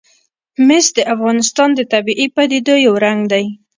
مس د افغانستان د طبیعي پدیدو یو رنګ دی.